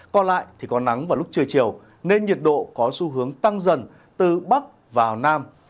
còn lại thì có nắng vào lúc trưa chiều nên nhiệt độ có xu hướng tăng dần từ bắc vào nam